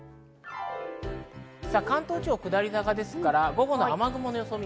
関東地方は下り坂ですから、午後の雨雲の予想です。